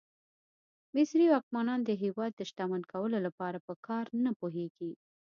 مصري واکمنان د هېواد د شتمن کولو لپاره په کار نه پوهېږي.